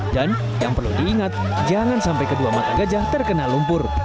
yang perlu diingat jangan sampai kedua mata gajah terkena lumpur